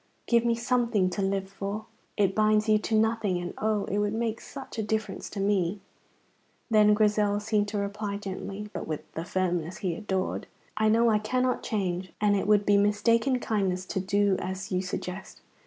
Give me something to live for. It binds you to nothing, and oh, it would make such a difference to me." Then Grizel seemed to reply gently, but with the firmness he adored: "I know I cannot change, and it would be mistaken kindness to do as you suggest.